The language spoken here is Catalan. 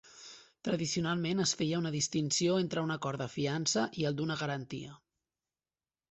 Tradicionalment, es feia una distinció entre un acord de fiança i el d'una garantia.